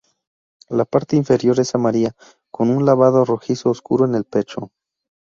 La parte inferior es amarilla con un lavado rojizo oscuro en el pecho.